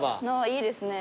いいですね。